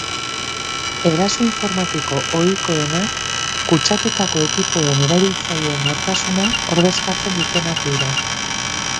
Eraso informatiko ohikoenak kutsatutako ekipoen erabiltzaileen nortasuna ordezkatzen dutenak dira.